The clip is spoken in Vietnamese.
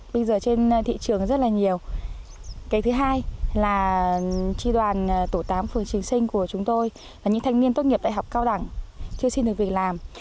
bây giờ trên thị trường rất là nhiều cái thứ hai là tri đoàn tổ tám phường chính sinh của chúng tôi là những thanh niên tốt nghiệp đại học cao đẳng chưa xin được việc làm